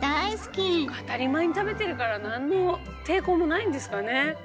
当たり前に食べてるから何の抵抗もないんですかね。